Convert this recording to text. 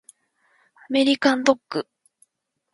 アメリカンドッグ